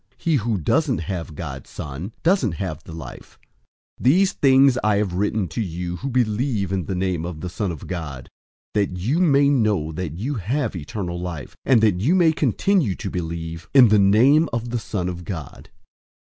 He who doesn't have God's Son doesn't have the life. 005:013 These things I have written to you who believe in the name of the Son of God, that you may know that you have eternal life, and that you may continue to believe in the name of the Son of God.